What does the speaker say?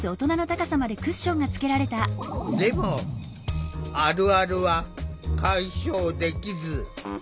でもあるあるは解消できず。